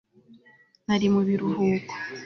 Nari mu biruhuko